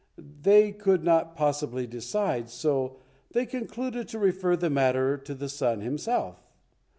They could not possibly decide, so they concluded to refer the matter to the son himself.